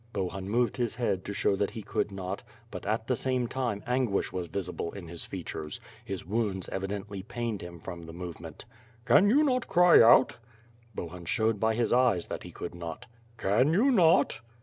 Bohun moved his head to show that he could not, but at the same time anguish was visible in his features; his wounds evidently pained him from the movement. "Can you not cry out?" Bohun showed bv his eves that he could not. "Can you not?"